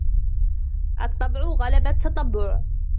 الطبع غلب التطبع